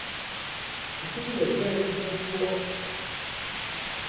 Isir advertisement fuqhom?